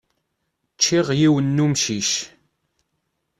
Ččiɣ yiwen n umcic.